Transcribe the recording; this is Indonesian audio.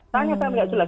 tanya tanya tidak jelas